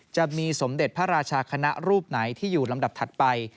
จะมีสมเด็จพระราชาคณะรูปไหนที่อยู่ลำดับถัดไป